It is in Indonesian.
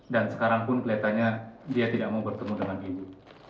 dan sekarang pun kelihatannya dia tidak mau bertemu dengan ibu